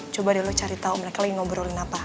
coba deh lo cari tau mereka lagi ngobrolin apa